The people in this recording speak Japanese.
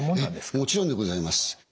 もちろんでございます。